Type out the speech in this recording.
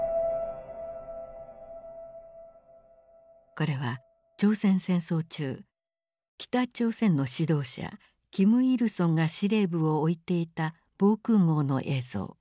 これは朝鮮戦争中北朝鮮の指導者金日成が司令部を置いていた防空壕の映像。